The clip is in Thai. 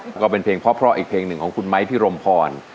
แล้วก็เป็นเพลงพ่ออีกเพลงนะนึงของคุณไวท์พี่เราพร